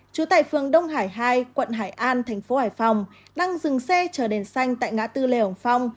trú tại phường đông hải hai quận hải an thành phố hải phòng đang dừng xe chờ đèn xanh tại ngã tư lê hồng phong